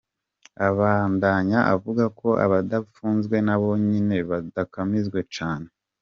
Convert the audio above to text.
Abandanya avuga ko abadapfunzwe nabo nyene bakandamizwa cane.